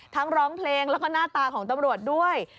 ร้องเพลงแล้วก็หน้าตาของตำรวจด้วย